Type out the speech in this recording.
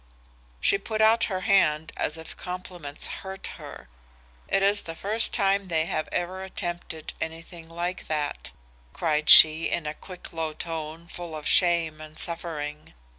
"She put out her hand as if compliments hurt her. 'It is the first time they have ever attempted anything like that,' cried she in a quick low tone full of shame and suffering.